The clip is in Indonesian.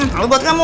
lalu buat kamu